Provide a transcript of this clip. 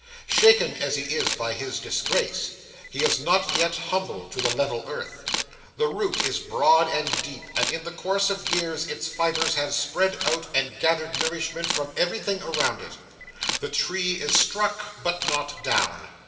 Shaken as he is by his disgrace, he is not yet humbled to the level earth. The root is broad and deep, and in the course of years its fibres have spread out and gathered nourishment from everything around it. The tree is struck, but not down.